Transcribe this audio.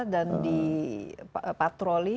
dan di patroli